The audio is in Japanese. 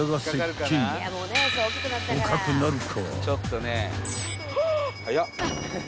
［捕獲なるか？］